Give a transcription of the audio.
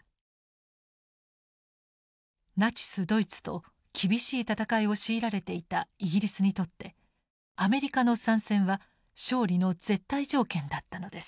ナチスドイツと厳しい戦いを強いられていたイギリスにとってアメリカの参戦は勝利の絶対条件だったのです。